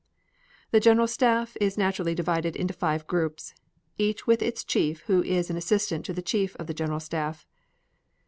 The General Staff is naturally divided into five groups, each with its chief who is an assistant to the Chief of the General Staff.